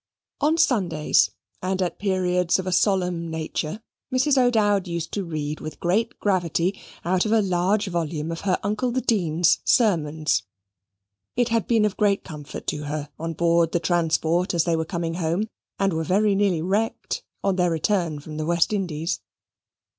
On Sundays, and at periods of a solemn nature, Mrs. O'Dowd used to read with great gravity out of a large volume of her uncle the Dean's sermons. It had been of great comfort to her on board the transport as they were coming home, and were very nearly wrecked, on their return from the West Indies.